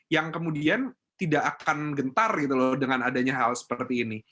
yang kemudian tidak akan gentar gitu loh dengan adanya hal seperti ini